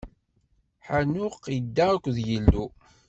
Ḥanux idda akked Yillu.